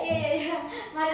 sini sini pak